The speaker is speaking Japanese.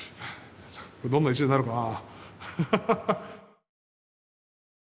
どんな１年になるかな。